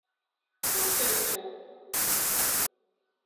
Ur treffu.